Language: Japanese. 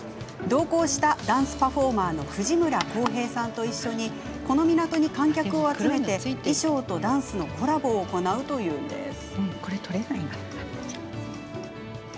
同行したダンスパフォーマーの藤村港平さんと一緒にこの港に観客を集めて衣装とダンスのコラボを行うというのです。